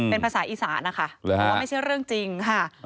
เป็นภาษาอีสานนะคะเพราะว่าไม่ใช่เรื่องจริงค่ะ